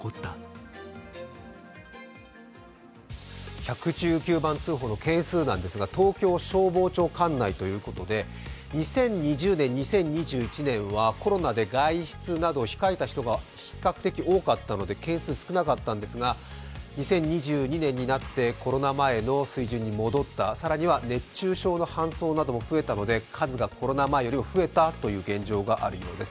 １１９番通報の件数ですが、東京消防庁管内ということで２０２０年、２０２１年はコロナで外出など控えた人が比較的多かったので件数少なかったんですが、２０２２年になってコロナ前の水準に戻った、更には熱中症の搬送なども増えたので数がコロナ前より増えたという現状があるようです。